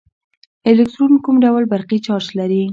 الکترون کوم ډول برقي چارچ لري.